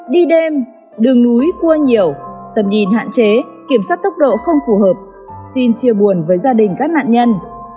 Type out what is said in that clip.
đi đêm đường núi cua nhiều tầm nhìn hạn chế kiểm soát tốc độ không phù hợp xin chia buồn với gia đình các nạn nhân